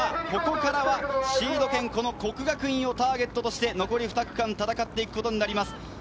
ここからはシード権、國學院をターゲットとして残り２区間、戦うことになります。